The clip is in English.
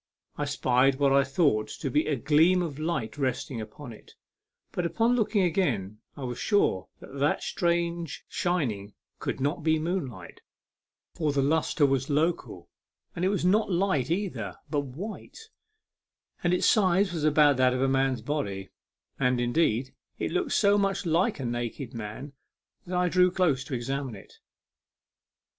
I spied what I thought to be a gleam of light resting upon it ; but on looking again I was sure that that strange shining could not be moonlight, for the lustre was local, and it was not light either, but white, and its size was about that of a man's body; and, indeed, it looked so much like a naked man that I drew close to examine it.